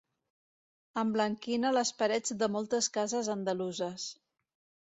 Emblanquina les parets de moltes cases andaluses.